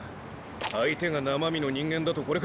相手が生身の人間だとこれか！